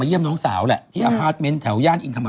ว่ายังไงส่งคะ